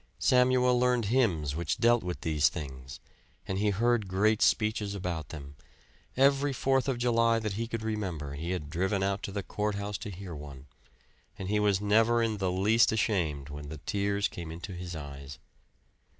Samuel learned hymns which dealt with these things, and he heard great speeches about them; every Fourth of July that he could remember he had driven out to the courthouse to hear one, and he was never in the least ashamed when the tears came into his eyes.